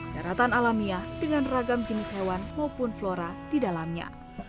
daratan alamiah dengan ragam jenis hewan maupun flora di dalamnya